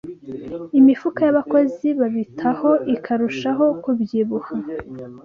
imifuka y’abakozi babitaho ikarushaho kubyibuha